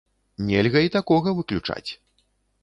Нельга і такога выключаць.